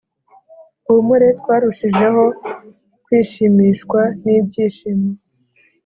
humure twarushijeho kwishimishwa n ibyishimo